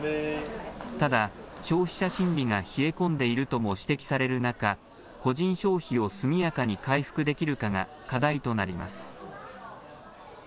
ただ、消費者心理が冷え込んでいるとも指摘される中、個人消費を速やかに回復できるかが課題となります。